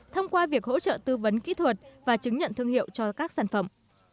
thông qua việc hỗ trợ tư vấn kỹ thuật và chứng nhận thương hiệu cho các sản phẩm